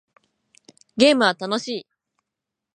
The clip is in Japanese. ゲームは楽しい